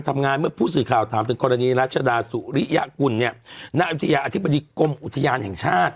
เพราะฉะนั้นเมื่อผู้สื่อข่าวถามถึงคนดังนี้รัชดาศุริยกุลเนี้ยนาธิบดิกรมอุทยานแห่งชาติ